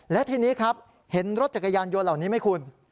และทีนี้ครับเห็นรถจักรยานยนต์เหล่านี้ไหมคุณ